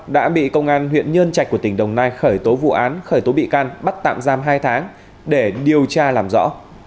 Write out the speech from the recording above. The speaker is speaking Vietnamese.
đã bị công an huyện nhân trạch của tỉnh đồng nai khởi tố vụ án khởi tố bị can bắt tạm giam hai tháng để điều tra làm rõ